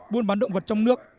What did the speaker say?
buôn bán động vật trong nước